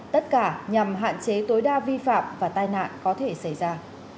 tất cả nhằm hạn chế tối đa vi phạm và tai nạn có thể xảy ra